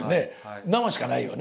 生しかないよね？